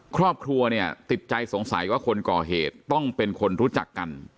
ครอบครัวเนี่ยติดใจสงสัยว่าคนก่อเหตุต้องเป็นคนรู้จักกัน